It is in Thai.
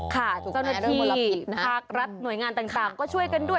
เจ้าหน้าที่ภาครัฐหน่วยงานต่างก็ช่วยกันด้วย